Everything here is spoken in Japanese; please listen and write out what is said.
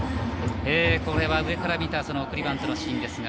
上から見た送りバントのシーン。